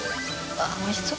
わっおいしそう。